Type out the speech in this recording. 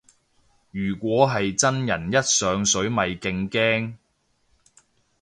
如果係真人一上水咪勁驚